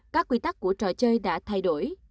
các quy tắc của trò chơi đã thay đổi